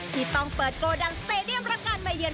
ที่ต้องเปิดโกดังสเตดียมรับการมาเยือน